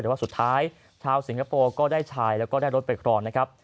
แต่ว่าสุดท้ายชาวสิงคโปร์ก็ได้ชายแล้วก็ได้รถไปครองนะครับ